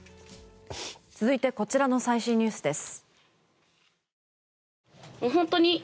続いてこちらの最新ニュースです。